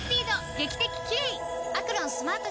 劇的キレイ！